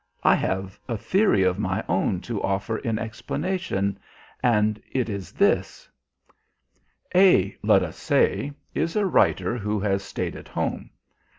I have a theory of my own to offer in explanation, and it is this: A, let us say, is a writer who has stayed at home.